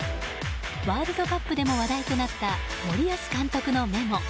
ワールドカップでも話題となった森保監督のメモ。